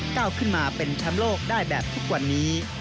ก้าวขึ้นมาเป็นแชมป์โลกได้แบบทุกวันนี้